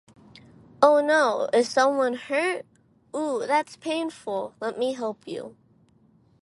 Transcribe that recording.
Oh no, is someone hurt? Ooh, that's painful! Let me help you.